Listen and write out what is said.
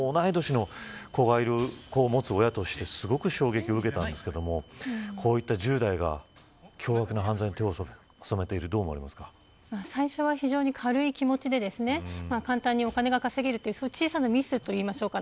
同い年の子を持つ親としてすごく衝撃を受けますがこういった１０代が凶悪な犯罪に手を染めているのは最初は非常に軽い気持ちで簡単にお金が稼げるという小さなミスといいましょうか。